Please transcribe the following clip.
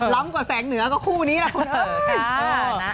ล้ำกว่าแสงเหนือก็คู่นี้ล่ะคุณเอ๋ย